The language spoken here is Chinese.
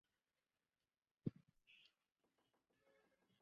弘治十一年戊午科解元。